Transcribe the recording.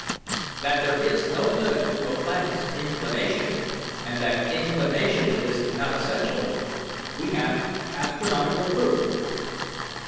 That there is no limit to a planet's inclination, and that inclination is not essential, we have astronomical proof.